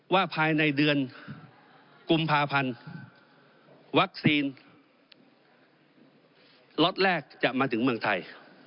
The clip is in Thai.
ว่าภายในเดือนกุมภาพันธ์วัคซีนล็อตแรกจะมาถึงเมืองไทย